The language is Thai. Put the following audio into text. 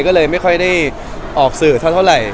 ก็เลยไม่ค่อยได้ออกสื่อเท่าไหร่